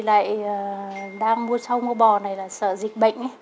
vì lại đang mua châu bò này là sợ dịch bệnh